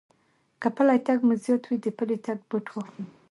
که پٔلی تگ مو زيات وي، د پلي تگ بوټ واخلئ.